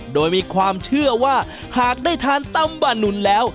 โดยมีความเชื่อว่าหากได้ทานตำบะหนุนแล้ว